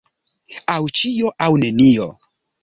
Aŭ ĉio, aŭ nenio.